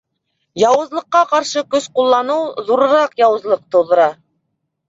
Яуызлыҡҡа ҡаршы көс ҡулланыу ҙурыраҡ яуызлыҡ тыуҙыра!